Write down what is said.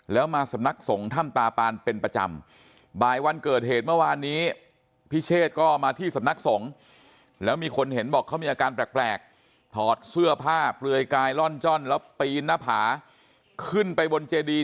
แล้วมาสำนักส่งถ้ำตาปานเป็นประจำบายวันเกิดเหตุเมื่อวานนี้พิเชษก็มาที่สำนักส่ง